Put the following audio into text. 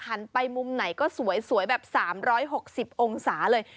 หันไปมุมไหนก็สวยแบบ๓๖๐องศาเลย